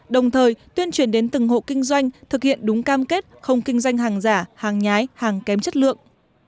đồng thời tuyên truyền đến từng hộ kinh doanh thực hiện đúng cam kết không kinh doanh hàng giả hàng nhái hàng kém chất lượng